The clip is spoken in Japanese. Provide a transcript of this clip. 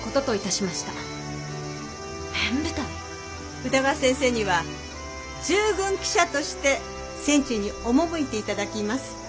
宇田川先生には従軍記者として戦地に赴いて頂きます。